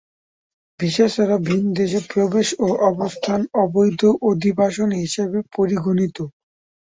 Visa ছাড়া ভিন দেশে প্রবেশ ও অবস্থান অবৈধ অভিবাসন হিসাবে পরিগণিত।